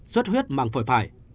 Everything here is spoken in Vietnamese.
xuất huyết mạng phổi phải